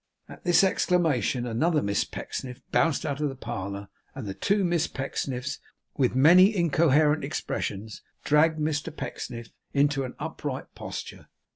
At this exclamation, another Miss Pecksniff bounced out of the parlour; and the two Miss Pecksniffs, with many incoherent expressions, dragged Mr Pecksniff into an upright posture.